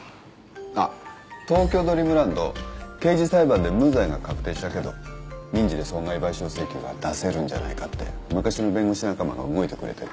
あっ東京ドリームランド刑事裁判で無罪が確定したけど民事で損害賠償請求が出せるんじゃないかって昔の弁護士仲間が動いてくれてる。